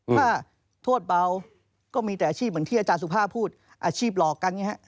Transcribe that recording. ถ้าโทษเบาก็มีอาชีพอาจารย์สุภาพูดอาชีพหลอกกัน